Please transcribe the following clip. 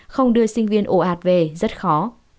không đưa sinh viên ổ hạt về rất khó